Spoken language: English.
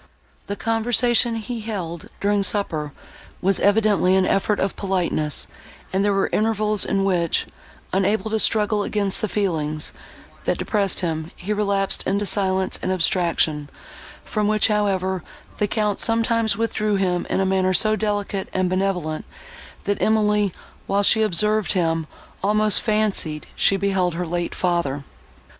The conversation he held, during supper, was evidently an effort of politeness, and there were intervals in which, unable to struggle against the feelings, that depressed him, he relapsed into silence and abstraction, from which, however, the Count, sometimes, withdrew him in a manner so delicate and benevolent, that Emily, while she observed him, almost fancied she beheld her late father.